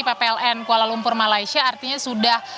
ppln kuala lumpur malaysia artinya sudah